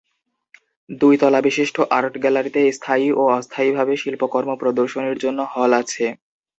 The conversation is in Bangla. দুই তলাবিশিষ্ট আর্টগ্যালারিতে স্থায়ী ও অস্থায়ীভাবে শিল্পকর্ম প্রদর্শনীর জন্য হল আছে।